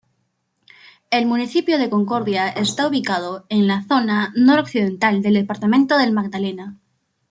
El Municipio de Concordia está ubicado en la zona nor-occidental del Departamento del Magdalena.